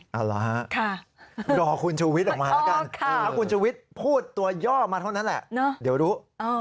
เอาเหรอฮะรอคุณชูวิทย์ออกมาแล้วกันถ้าคุณชุวิตพูดตัวย่อมาเท่านั้นแหละเดี๋ยวรู้